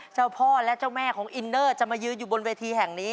เจ้าพ่อและเจ้าแม่ของอินเนอร์จะมายืนอยู่บนเวทีแห่งนี้